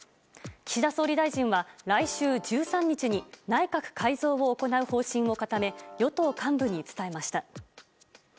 岸田総理大臣は来週１３日に内閣改造を行う方針を固め与党幹部に伝えました。